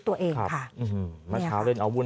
ตัวเองค่ะเมื่อเช้าเล่นอาวุ่น